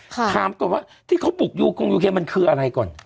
ถามก่อนว่าที่เขาบุกยูกงยูเคมันคืออะไรก่อน